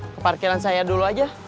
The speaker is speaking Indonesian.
ke parkiran saya dulu aja